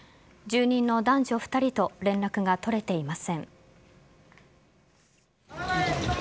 住人の男女２人と連絡が取れていません。